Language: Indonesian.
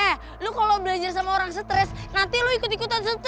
eh lu kalo belajar sama orang stress nanti lu ikut ikutan stress tuh